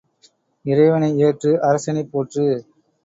இறைவனை ஏற்று அரசனைப் போற்று.